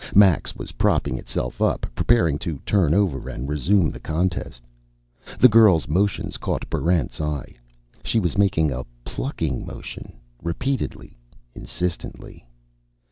Max was propping itself up, preparing to turn over and resume the contest. The girl's motions caught Barrent's eye. She was making a plucking motion, repeatedly, insistently.